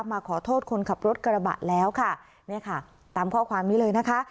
มาขอโทษคนขับรถกระบะแล้วค่ะเนี่ยค่ะตามข้อความนี้เลยนะคะ